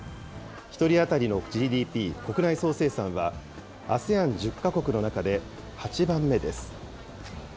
１人当たりのＧＤＰ・国内総生産は、ＡＳＥＡＮ１０か国の中で８番目です。